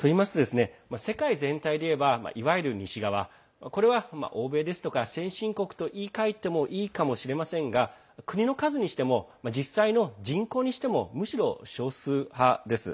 世界全体でいえばいわゆる西側これは欧米ですとか先進国と言いかえてもいいと思いますが国の数にしても実際の人口にしてもむしろ少数派です。